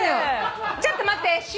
ちょっと待って。